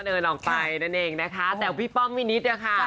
ต่อเนินออกไปนั่นเองนะคะแต่พี่ป้อมวินิษฐ์